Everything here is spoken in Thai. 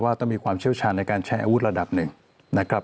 ต้องมีความเชี่ยวชาญในการใช้อาวุธระดับหนึ่งนะครับ